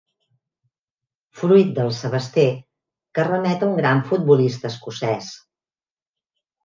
Fruit del sebester que remet a un gran futbolista escocès.